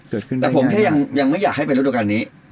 เกิดขึ้นแต่ผมแค่ยังไม่อยากให้เป็นฤดูการนี้